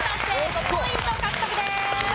５ポイント獲得です。